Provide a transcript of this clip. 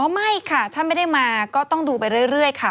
ไม่ค่ะถ้าไม่ได้มาก็ต้องดูไปเรื่อยค่ะ